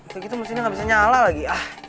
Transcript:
begitu mesinnya gak bisa nyala lagi